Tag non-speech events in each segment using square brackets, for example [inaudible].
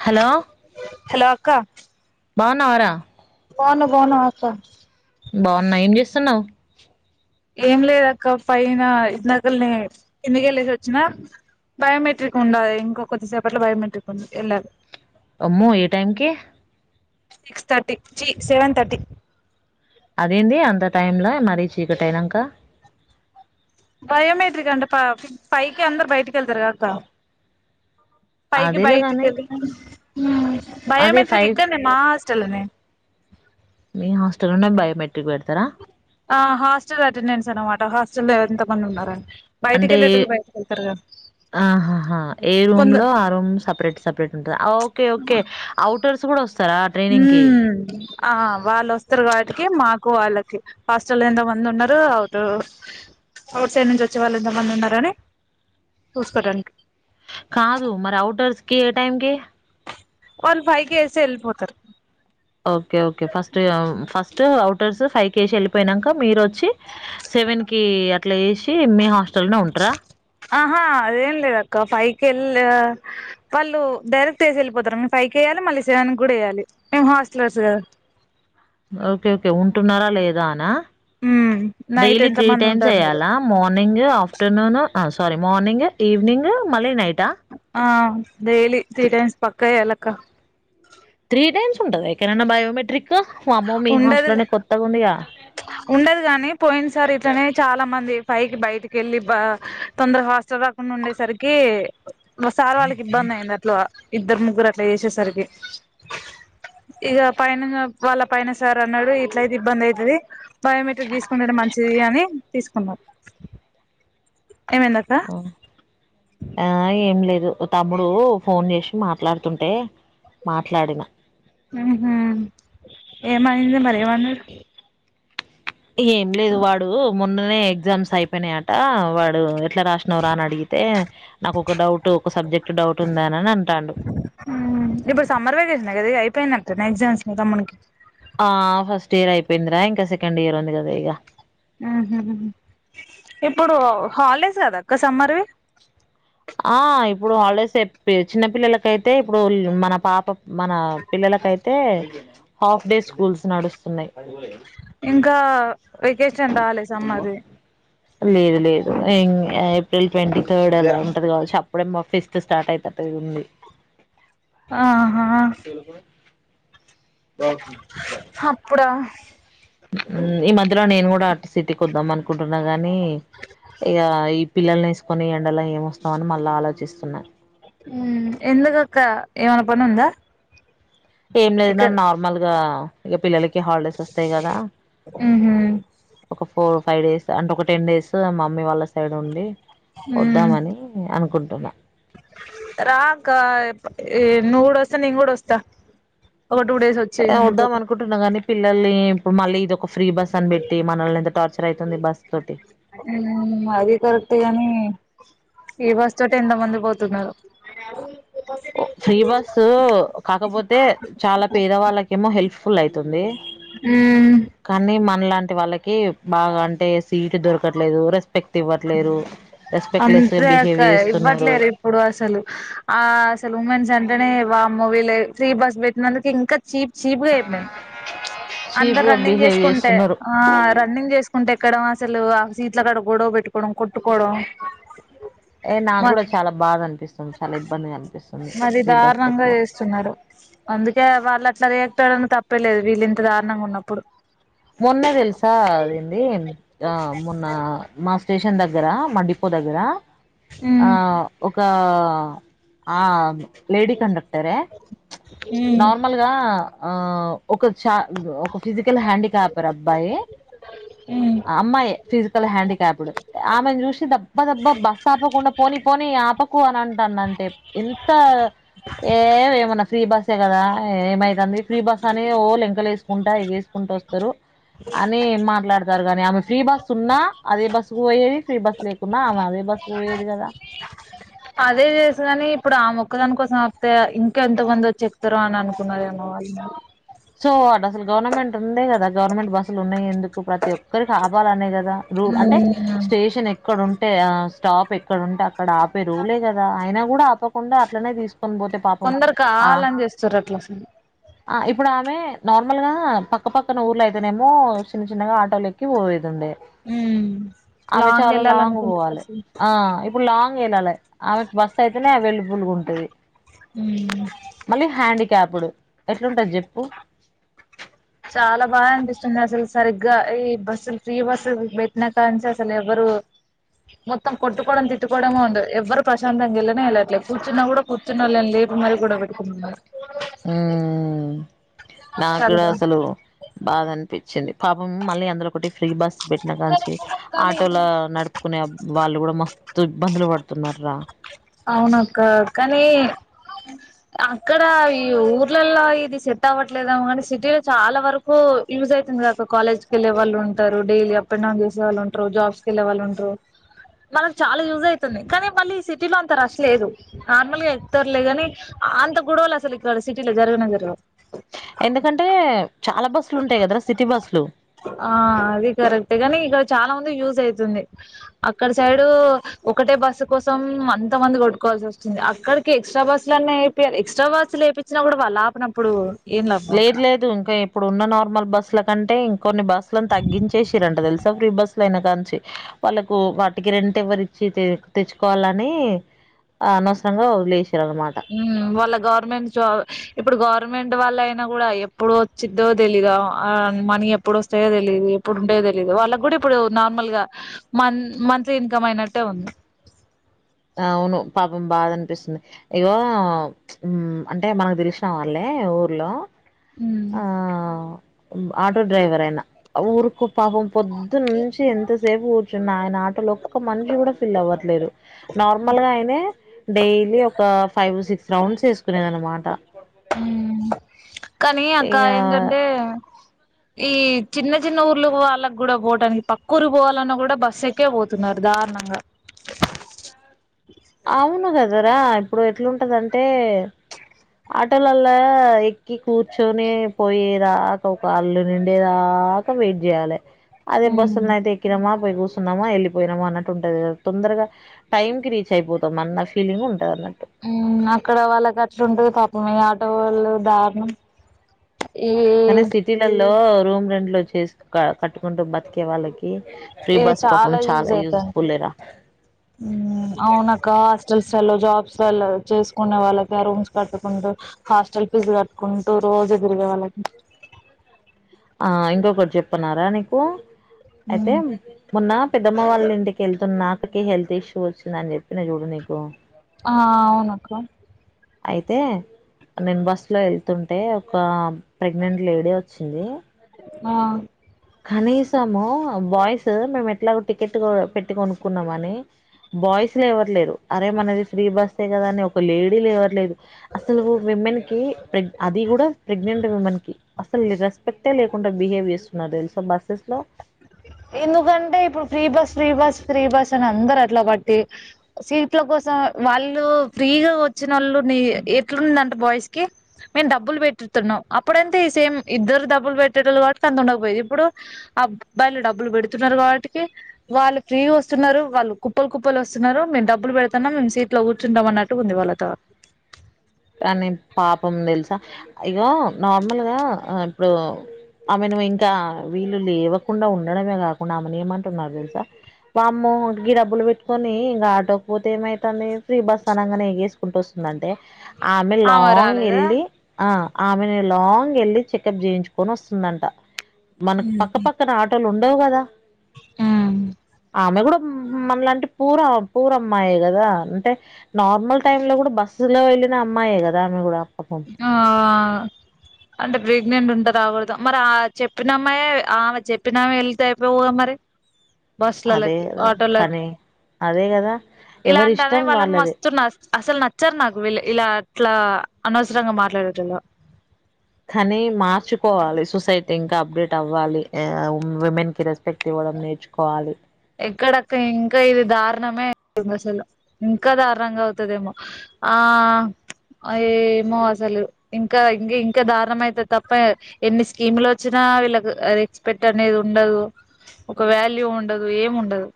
Hello hello అక్క భానవార బాను బాను అక బావున్నా ఏం చేస్తున్నావు్ ఏం లేదు అక్క పైన నగల్ని ఎందుకెళ్ళేసి వచ్చినా బయోమెట్రిక్ ఉండాలి ఇంకో కొద్దిసేపట్లో బయోమెట్రిక్ ఉ వెళ్ళాలి అమ్మో ఏ టైంకి సిక్స్ తర్టీ జీ సెవెన్ తర్టీ అదేంటి అంత టైమ్ంలో మరీ చీకటి అయినాక బయోమెట్రిక్ అంటే ప పైకి అందరరు బయటికి వెళ్తారు కాక్క పైకి అదేలే కానీ బయట్కుదు అదే బయోమెట్రిక్ ఫైవ్ ఇక్కనే మా హాస్టల్నే మీ హాస్టల్లోనే బయోమెట్రిక్ పెడతారా ఆ హాస్టల్ అటెండెన్స్ అనమాట హాస్టల్లో ఎంత మంది ఉన్నారండి అంటే ఆహహా ఏ రూమ్ కొంద లో ఆ రూమ్ సపరేట్ సపరేట్ ఉంటుంది ఓకే ఓకే అఔటర్స్ కూడా వస్తు హ ఆ వాళ్ళు వస్తారు వాబటికి మాకు వాళ్ళకి హాస్టల్ ఎంతో మంది ఉన్నారు అవు అవుట్ సైడ్ నుంచి వచ్చే వాళ్ళు ఎంతో మంది ఉన్నారు అని చూసుకోడానికి కాదు మరి అఔట్డోర్స్ కి ఏ టైంకి వన్ ఫైవ్ కేేస్తే వెళ్ళిపోతారు అఔటర్స్ ఫైవ్ కేసి వెళ్ళిపోయానాక మీరు వచ్చ వ అట్లసి ఆహా అదేం లేద అక్క ఫై ెళ్ళ వాళ్ళు డైరెక్ట్ తీసి వెళ్ళిపోతారుము ఫైకి వెయ్యాలి మళ్ళీ సెవెన్ కూడా వయాలి మేము హాస్టలర్స్ కదా ఓకే ఓకే ఉంటున్నారా లేదా అనా హ్మ్ నైట్ డైలీ ఎంత త్రీ మంది టైమ్స్ ఉంటున్నారు వయాలా మార్నింగ్ ఆఫ్టర్నూన్ ఆ సారీ మార్నింగ్ ఈవనింగ్ మళ్ళీ నైట్ ఆ డైలీ త్రీ టైమ్స్ పక్క ఎలా కుక్క న్స్ ఉంటా ఎనా బయోమెట్రిక్ వామ్మో! మీ ఉండదు హాస్టల్‌లోనే కొత్తగుందిగా. ఉండదు కాగానీ పోయింది సార్ ఇట్లనే చాలా మంది పై బయటికి వెళ్ళి బ తొందర హాస్టల్ రాకుండా ఉండేసరికి ఒకసారి వాళ్ళకి ఇబ్బంది అయింది అట్లా ఇద్దరు ముగ్గురు అట్లా చేసేసరికి ఇక పయైనంగా వాళ్ళ పైన సార్ అన్నాడు ఇట్లయితే ఇబ్బంది అవుతుది బయోమెట్రిక్ తీసుకుంటాడం మంచిది అని తీసుకు అమ ఆ ఏం లేదు తమ్ముడు ఫోన్ చేసి మాట్లాడుతుంటే మాట్లాడిన ఉ ఊ ఏమైంది మరి ఏమన్నాడు ఏం లేదు వాడు మొన్ననే ఎగ్జామ్స్ అయిపోయినాయట వాడు ఇట్లా రాసినవురా అని అడిగితే నాకు ఒక డౌట్ ఒక సబ్జెక్ట్ డౌట్ ఉందా అనిని అంటాడు ఇప్పుడు సమ్మర్ వెకేషన్ కదా అయిపోయిందంటనే ఎగ్జామ్స్ నీ ఆ ఫస్ట్ ఇయర్ అయిపోయిందిరా ఇంకా సెకండ్ ఇయర్ ఉంది కదా ఇక ఆహ ఇప్పుడు హాలిడేస్ కదాక్క సమ్మర్వి ఆ ఇప్పుడు హాలిడేస్ చిన్న పిల్లలకైతే ఇప్పుడు మన పాప మన పిల్లలకైతే హాఫ్ డే స్కూల్స్ నడుస్తున్నాయి ఇంకా వెకేషన్ంటాలి సమ్మర్ది లేదు లేదు ఏప్రిల్ ట్వంటీ థర్డ్ అలా ఉంటది కావచ్చు అప్పుడే పంపిస్తే స్టార్ట్ అవుతూ ఆహా అప్పుడ ఈ మధ్యలో నేనుకూడా స్మార్ట్ సిటీ కి వద్ద మణి అనుకుంటున్నా కాగాని ఇక ఈ పిల్లని వేసుకొని ఎండలో ఏమొస్తామ అని మళ్ళీ ఆలోచిస్తున్నా ఎందుకు అక్క ఏమైనా పని ఉందా ఏం లేదు ఇక్కడ నార్మల్ గా ఇక పిల్లలకి హాలిడేస్ వస్తాయి కదా మ్హూ ఒక ఫోర్ ఫైవ్ డేస్ అంటే ఒక టెన్ డేస్ మా మమ్మీ వాళ్ళ సైడ్ ఉండి వద్దామని అనుకుంటు ొటన్నా రాఅక్క నువ్వు కూడా వస్తే నేను కూడా వస్తా ఒక టూ డేస్ వచ్చాయి వద్దాం ఉండిపొదువ్ అనుకుంటున్నా కానీ పిల్లల్ని ఇప్పుడు మళ్ళీ ఇదొక ఫ్రీ బస్ అని బెట్టి మనల్ని ఎంత టార్చర్ అయితే బస్ తోటి అది కరెక్ట్ గాని ఈ బస్ తోటి ఎంత మంది పోతున్నారో ఫ్రీ బసు కాకపోతే అయితే చాలా పేద వాళ్ళకేమో హెల్ప్ఫుల్ అయితుంది ఊ అలాంటి వాళ్ళకి బాగా అంటే సీటు దొరకట్లేదు రెస్పెక్ట్ ఇవ్వట్లేదు అంతే అక్కా ఇవ్వట్లేరు ఇప్పుడు అసలు ఆ అసలు ఉమెన్స్ అంటేనే వామ్మో వీలే ఫ్రీ బస్ పెట్టినందుకు ఇంకా చీప్ చీప్ గ చెప్పి అందరు చీప్గా రన్నింగ్ బిహేవ్ చేసుకుంటే చేస్తున్నారు ఆ రన్నింగ్ చేసుకుం కుంట ఎక్కడం అసలు ఆ సీట్లకాడ గొడవ పెట్టుకోవడం కొట్టుకోవడం ఏ నాకు మ కూడా చాలా బాధ అనిపిస్తుంది చాలా ఇబ్బందిగా అనిపిస్తుంది మరి ఫ్రీ బస్ తోటి దారుణంగా పోతే చేస్తున్నారు చెప్పడం తప్పేలేదు వీళ్లింత ఇంత దారుణంగా ఉన్నప్పుడు మొన్న తెలుసా అదేంది ఆ మొన్న మా స్టేషన్ దగ్గర మా డిపో దగ్గర ఆ ఉమ్ ఒ ఆ ఆ లేడీ కండక్టరే నార్మల్గా ఆ ఒక చా ఒక ఫిజికల్ హ్యాండిక్యాప్డ్ అబ్బాయి ఉమ్ అమ్మాయే ఫిజికల్ హ్యాండికాప్డు ఆమెను చూసి దబ్బ దబ్బా బస్ ఆపకుండా పోని పోని ఆప కు అని అంటండంటే ఎంత ఏ ఏమన్న ఫ్రీ బస్ కదా ఏమై తంది ఫ్రీ బస్ అని ఓ లెంకలు వేసుకుంట టా ఎగేసుకుంట వస్తరు అని మాట్లాడతండ్రు గని ఆమె ఫ్రీ బస్ ఉన్నా అదే బస్ కు పోయేది ఫ్రీ బస్ లేకున్నా ఆమె అదే బస్ కు పోయేది కదా అదే చేసుగని ఇప్పుడు ఆమొక్కదానికోసం ఆపితే ఇంకా ఎంత మంది వచ్చి ఎక్కుతరో అని అనుకున్నరేమో వాళ్ళు మరి సో అటు అసలు గవర్నమెంట్ ఉంది కదా గవర్నమెంట్ బస్సులు ఉన్నయి ఎందుకు ప్రతి ఒక్కరికి ఆపాలనే కదా రూ అంటే ఉమ్ స్టేషన్ ఎక్కడ ఉంటే టే ఆ స్టాప్ ఎక్కడంటే అ అక్కడ ఆపే రూలే కదా అయిన కూడా అప కుండా అట్లనే తీసుకొని పోతే పాపం కొందరు ఆ కావాలని చేస్తుర్రు అట్లా అసలు ఆ ఇప్ ఇప్పుడు ఆమె నార్మల్ గా పక్క పక్కన ఊర్లో అయితేనేమో చిన్న చిన్నగా ఆటోలు ఎక్కిపో పోయేది ఉండే ఉమ్ ఆమె చాలా లాంగ్ వెళ్ళాలనుకున్నట్లు పోవాలి అసలు ఆ ఇప్పుడు లాంగ్ వెళ్లాలి ఆమెకి బస్ అయితేనే అవైలబుల్ ఉంటుది హుమ్ క్యాపుడు ఎట్లుంటది చెప్ప ఉ చాలా బాద అనిపిస్తుంది అసలు సరిగ్గా ఈ బస్సులు ఫ్రీ బస్సు పెట్టినా కానుంచి అసలు ఎవరు మొత్తం కొట్టుకోవడం తిట్టుకోవడమో ఉంటది ఎవ్వరు ప్రశాంతం గెళ్ళనే వెళ్ళట్లేదు కూర్చున్నా కూడా కూర్చున్నోల్లో ని లేపు మరి గొడవ పెట్టుకుంటు హుమ్ నాకు కూడా కదా అసలు బాధ అనిపి వచ్చింది పాపం మళ్ళీ అందులో ఒకటి. ఫ్రీ బస్సు పెట్టిన కాంచి ఆటోల నడుపుకునే వాళ్ళు కూడా మస్త్ తు ఇబ్బందులు పడుతున్నరు రా అవునక్క కానీ అక్కడ ఈ ఊర్లల్లో ఇది సెట్ అవ్వట్లేదుమొ, కానీ సిటీలో చాలా వరకు యూజ్ అయితుందిగ అక్క. కాలేజ్ కి వెళ్లే వాళ్ళు ఉంటారు, డైలీ అప్ అండ్ డౌన్ చేసేవాళ్ళు ఉంటారు, జాబ్స్ కి వెళ్ళే వాళ్ళు ఉంటారు, మనకి చాలా యూజ్ అవుతుంది. కానీ మళ్ళీ సిటీ సిటీలో అంత రష్ లేదు. నార్మల్ గా ఎకుతారులే గాని అంత గొడవలు అసలు ఇక్కడ సిటీలో జరగనే జరగవ్. ఎందుకంటే చాలా బస్సులు ఉంటాయి కదరా సిటీ బస్సులు ఆ అది కరెక్ట్ కానీ ఇక చాలా మం యూజఅవుతుంది. అక్కడ సైడ్ ఒకటే బస్సు కోసం అంత మంది కొట్టుకోవాల్సి వస్తుంది. అక్కడికి ఎక్స్ట్రా బస్సు లన్న ఎపి ఎక్స్ట్రా బస్సులు వేపిచినా కూడా వాళ్ళు ఆపనప్పుడు లేదు లేదు ఇంకా ఇప్పుడున్న నార్మల్ బస్సుల కంటే ఇంకో కొన్ని బస్సులను తగ్గించేసిరంట తెలుసా. ఫ్రీ బస్సులు అయినా కాంచి వాళ్ళకు, వాటికి రెంట్ ఎవరు ఇచ్చి తె తెచ్చుకోవాలని అనవసరంగా ఒదిలేసి హుమ్ వాళ్ళ గవర్నమెంట్ జాబ్ ఇప్పుడు గవర్నమెంట్ వాళ్ళ అయినా కూడా ఎప్పుడు వచ్చిద్దొ తెలీదు. ఆ మనీ ఎప్పుడు వస్తాయో తెలీయదు. ఎప్పుడు ఉంటాయో తెలియదు. వాళ్ళకి కూడా ఇప్పుడు నార్మల్గా మ మంత్లీ ఇన్కమ్ అయినట్టే ఉంది. ఆ అవును పాపం బాధ అనిపిస్తుంది. ఇగో హుమ్ అంటే మనకు తెలిసిన వాళ్ళే ఊర్లో ఉమ్ ఆ ఆటో డ్రైవరైనా ఊరుకు పాపం పొద్దు నుంచి ఎంతసేపు కూర్చున్నా ఆయన ఆటోల ఒక్క మనిషి కూడా ఫిల్ అవ్వట్లేరు. నార్మల్ గా అయినే డైలీ ఒక ఫైవ్ సిక్స్ రౌండ్స్ వేసుకునేది అన్నమాట. ఉమ్ కానీ అక్క ఇగ ఏంటంటే ఈ చిన్న చిన్న ఊర్లు వాళ్ళకి కూడా పోటానికి, పక్క ఊరికి పోవాలన్నా కూడా బస్ ఎక్కే పోతున్నారు దారుణంగా జరా ఇప్పుడు ఎట్లుంటదంటే చ్ ఆటోలల్ల ఇ కూర్చొనే పోయే దాకా వాళ్ళు నిండే దాకా వెయిట్ చేయాలి. అదే ఉమ్ బస్సల్ నైతె ఎక్కినమాం పొయి కూస్తున్నామా, వెళ్ళిపోయినామా అన్నట్టు ఉంటది క తొందరగా టైమ్ కి రీచ్ అయిపోతాం అన్న ఫీలింగ్ ఉంటుందిన్న హు అక్కడ వాళ్ళ ఖర్చు ఉంటది. పాపం ఆటో వాళ్ళు దారుణం. ఈ లో రూమ్ రెంట్లు వచ్చేసి కట్టుకుంటూ బతికే వాళ్ళకి ఫ్రీ ఇది బస్ చాలా పాపం యూజ్ అయితాంది. యూజ్ఫుల్ లేరా అవును అక్క హాస్టల్ జాబ్స్ చేసుకునే వాళ్ళకి, రూమ్స్ కట్టుకుంటూ హాస్టల్ ఫీజు కట్టుకుంటూ రోజు తిరిగే వాళ్ళకి ఆ ఇంకొకటి చెప్పన్నారా నీకు అయితే మొన్న పెద్దమ్మ వాళ్ళ ఇంటికి కెళ్తున్న అక్కకి హెల్త్ ఇష్యూ వచ్చింది అని చెప్పి నా చూడు నీకు. ఆ అవును అక్క అయితే నేను బస్ లో ఎళ్తుంటే ఒకా ప్రెగ్నెంట్ లేడీ వచ్చిందీ. ఆ కనీసమో బాయ్స్ ఆ మేము ఎట్లాగు టికెట్ కొ పెట్టి కొనుక్కున్నామ్ అనీ బాయ్స్ల ఎవరు లేరు. అరే మనది ఫ్రీ బస్సే కదా అని ఒక లేడీ లెవట్ లేదు. అసలూ విమెన్ కీ ప్రెగ్ అది గూడా ప్రెగ్నెంట్ విమెన్ కి, అస్సల్ రెస్పెక్టే లేకుండ బిహేవ్ చేస్తు నాక్ తెల్సు బస్సెస్ లో ఎందుకంటే ఇప్పుడు free bus free bus free bus అని అందరు అట్ల బట్టి, సీట్ల కోసం వాళ్లూ ఫ్రీగా వచ్చినోళ్ళు. నీ ఎట్లుందంటె బాయ్స్ కి, మేమ్ డబ్బులు పెట్టుతున్నం, అప్పుడంతే ఈ సేమ్ ఇద్దరు డబ్బులు పెట్టేటోళ్ళు కాబట్టి అంత ఉండకపోయేది. ఇప్పుడూ అబ్బాయిలు డబ్ డబ్బులు పెడుతున్నరు కాబట్టికి, వాళ్ళు ఫ్రీగ వస్తున్నరూ, వాళ్ళు కుప్పలు కుప్పలు వస్తున్నరూ, మేమ్ డబ్బులు పెడుతన్నం సీట్లో కూర్చుంటం అన్నట్టు గుంది వాళ్ళ థాట్. కాని పాపం తెలుసా. ఇగో నార్మల్గా ఆ ఇప్పుడూ, ఆమెను ఇంకా వీళ్ళు లేవకుండ ఉండడమే కాకుండా ఆమెను ఏమంటున్నారు తెలుసా, వామ్మో గీ డబ్బులు పెట్టుకొనీ ఇగా ఆటోక్ పోతే ఏమైతాంది, ఫ్రీ బస్ అనంగనే ఏగేసుకుంటూ వస్తుందంటే. ఆమె లాంగ్ ఎల్లీ ఆ ఆమెనే లాంగ్ ఎళ్ళి చెకప్ చేయించుకొని వస్తుందంట. మనకు పక్క పక్కన ఆటోలు ఉండ్ డవు కదా. ఉమ్ ఆమె గూడ మనలాంటి పూరా పూర అమ్మాయే గదా, అంటే నార్మల్ టైమ్ లో గూడ బస్సు లో ఎల్లి నా అమ్మాయే గదా ఆమె గూడా. ఆ అంటె ప్రెగ్నెంట్ ఉంట రాకూడదు. మరి ఆ చెప్పినమ్మాయే ఆమె చెప్పినామె ఎళ్తే అయిపోవుగా మరి. అదే బస్లల్లకి, కదా ఆటోలకి. కానీ అదే గదా. ఇలాంటనే వాళ్ళని మస్తున్నస్ అస్సల్ నచ్చర్ నాకు వీళ్ళే ఇలా అట్లా అనవసరంగ మాట్లాడేటోళ్ళు. కానీ మార్చుకోవాలి సొసైటీ ఇంకా అప్డేట్ అవ్వాలి. ఏ ఉమెన్కి రెస్పెక్ట్ ఇవ్వడం నేర్చుకోవాలి. ఎక్కడక్క ఇంకా ఇది దారుణమే అ [inaudible] తుంది అసలు. ఇంకా దారుణంగా అవుతదేమో. ఆ ప్చ్ ఏమో అసలు, ఇంకా ఇంది ఇంకా దారుణం అయితది తప్పా, ఎన్ని స్కీములొచ్చినా వీళ్ళకు అ రెస్పెక్ట్ అనేది ఉండదూ. ఒక వాల్యూ ఉండ్ డదూ. ఏమ్ ఉండదు.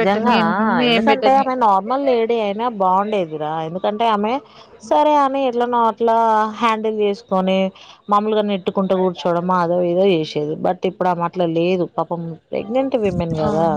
పెట్టని ఎన్ని ఏం ఎందుకంటే పెట్టని ఆమె నార్మల్ లేడీ అయినా బాగుండేదిరా ఎందుకంట్ టే, ఆమె సరే అని ఎట్లనో అట్లా హ్యాండిల్ చేసుకొనీ, మాములుగా నెట్టుకుంటూ కూర్చోడమా అదో ఇదో చేశేది. బట్, ఇప్పుడు ఆమె అట్ల లేదు పాపం ప్రెగ్నెంట్ విమెన్ ఆ గదా.